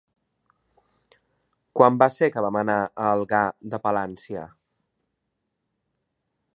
Quan va ser que vam anar a Algar de Palància?